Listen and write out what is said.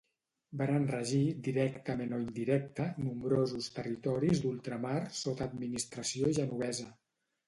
Varen regir directament o indirecta nombrosos territoris d'ultramar sota administració genovesa.